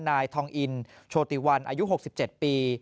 นายทองอินโชติวันอายุหกสิบเจ็ดปี